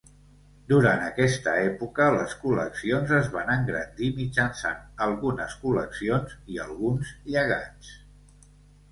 Durant aquesta època les col·leccions es van engrandir mitjançant algunes col·leccions i alguns llegats.